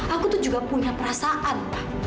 aku tuh juga punya perasaan